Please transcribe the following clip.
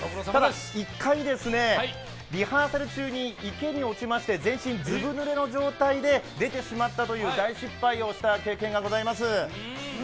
ただ一回、リハーサル中に池に落ちまして、全身ずぶぬれの状態で出てしまったという大失敗をした経験があります。